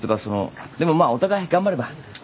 そのでもまあお互い頑張れば。